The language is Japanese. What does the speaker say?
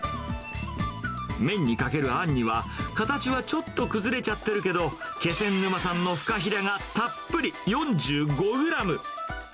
麺にかけるあんには、形はちょっと崩れちゃってるけど、気仙沼産のフカヒレがたっぷり４５グラム。